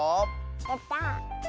やった。